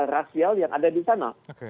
rasial yang ada di sana